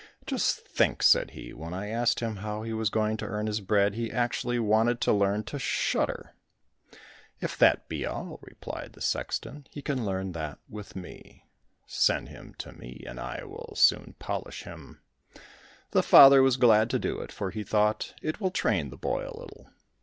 "Just think," said he, "when I asked him how he was going to earn his bread, he actually wanted to learn to shudder." "If that be all," replied the sexton, "he can learn that with me. Send him to me, and I will soon polish him." The father was glad to do it, for he thought, "It will train the boy a little."